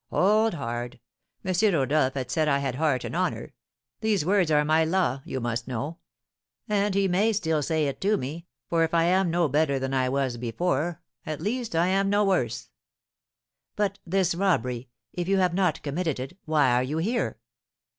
"Hold hard! M. Rodolph had said I had heart and honour, these words are my law, you must know; and he may still say it to me, for if I am no better than I was before, at least I am no worse." "But this robbery, if you have not committed it, why are you here?"